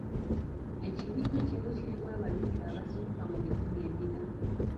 Ekibiina kimu kirimu abayizi abassukka mu bikumi ebina.